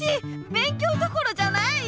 勉強どころじゃない！